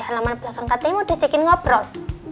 halaman belakang katanya udah cekin ngobrol